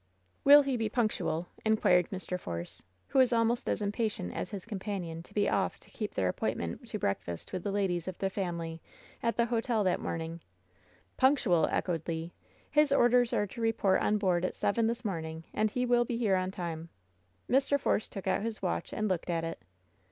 "Will he be punctual ?" inquired Mr. Force, who was almost as impatient as his companion to be off to keep their appointment to breakfast with the ladies of their family at the hotel that morning. WHEN SHADOWS DIE 107 " Tunctual!' ^' echoed Le. "His orders are to report on board at seven this morning, and he will be here on time/' I Mr. Forco took out his watch and looked at it.